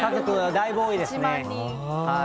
だいぶ多いですね。